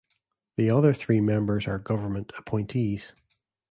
The other three members are government appointees.